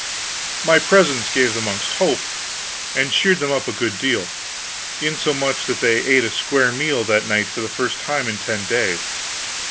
My presence gave the monks hope, and cheered them up a good deal; insomuch that they ate a square meal that night for the first time in ten days.